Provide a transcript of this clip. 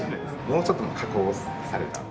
もうちょっと加工された。